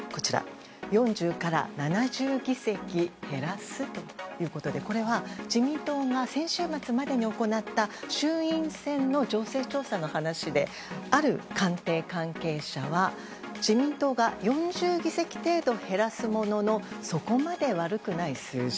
４０から７０議席減らすということでこれは自民党が先週末までに行った衆院選の情勢調査の話である官邸関係者は、自民党が４０議席程度減らすもののそこまで悪くない数字。